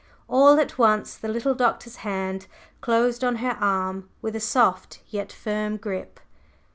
All at once the little Doctor's hand closed on her arm with a soft yet firm grip.